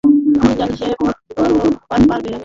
আমি জানি, সে পারবে!